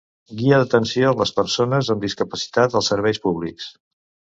Guia d'atenció a les persones amb discapacitat als serveis públics.